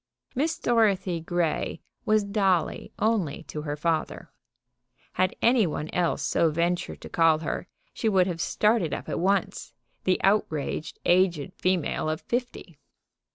Miss Dorothy Grey was Dolly only to her father. Had any one else so ventured to call her she would have started up at once, the outraged aged female of fifty.